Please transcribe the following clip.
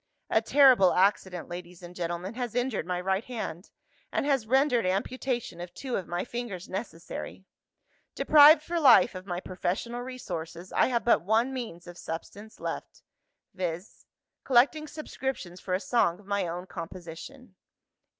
"A terrible accident, ladies and gentlemen, has injured my right hand, and has rendered amputation of two of my fingers necessary. Deprived for life of my professional resources, I have but one means of subsistence left viz: collecting subscriptions for a song of my own composition.